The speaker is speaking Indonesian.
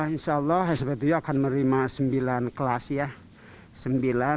insya allah smp tuyuh akan menerima sembilan kelas ya